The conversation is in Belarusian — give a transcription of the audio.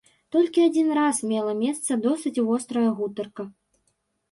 Толькі адзін раз мела месца досыць вострая гутарка.